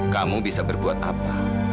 kamu bisa berbuat apa